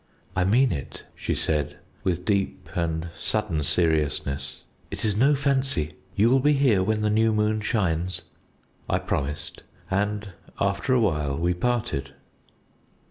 "'I mean it,' she said, with deep and sudden seriousness, 'it is no fancy. You will be here when the new moon shines?'" "I promised, and after a while we parted.